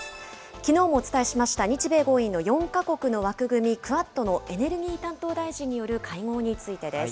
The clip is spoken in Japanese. きのうもお伝えしました、日米豪印の４か国の枠組み、クアッドのエネルギー担当大臣の会合についてです。